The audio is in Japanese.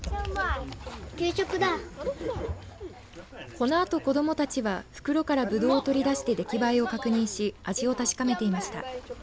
このあと、子どもたちは袋からぶどうを取り出して出来栄えを確認し味を確かめていました。